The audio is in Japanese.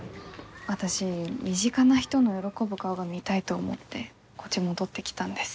私身近な人の喜ぶ顔が見たいと思ってこっち戻ってきたんです。